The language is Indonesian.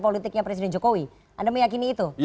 politiknya presiden jokowi anda meyakini itu